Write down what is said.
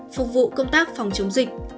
phục vụ công tác phòng chống dịch